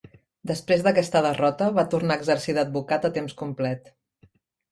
Després d'aquesta derrota, va tornar a exercir d'advocat a temps complet.